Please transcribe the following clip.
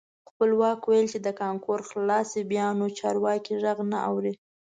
خپلواک ویل چې کانکور خلاص شي بیا نو چارواکي غږ نه اوري.